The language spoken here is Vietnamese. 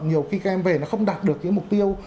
nhiều khi các em về nó không đạt được những mục tiêu